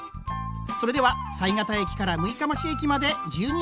それは犀潟駅から六日町駅まで１２駅。